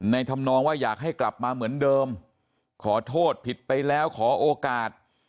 ทำนองว่าอยากให้กลับมาเหมือนเดิมขอโทษผิดไปแล้วขอโอกาส